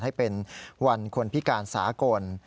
ให้เป็นวันคนพิการสากล